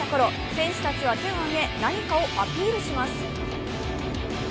選手たちは、手を挙げ何かをアピールします。